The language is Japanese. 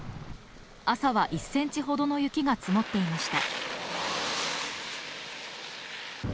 朝は１ｃｍほどの雪が積もっていました。